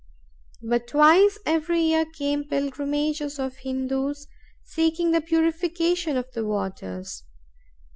But twice every year came pilgrimages of Hindoos seeking the purification of the waters.